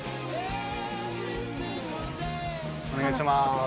お願いします。